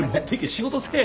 仕事せえ。